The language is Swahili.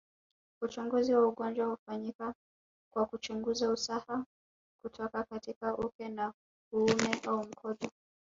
Uchunguzi wa ugonjwa hufanywa kwa kuchungunza usaha kutoka katika uke au uume au mkojo